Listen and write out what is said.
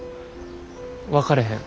分かれへん。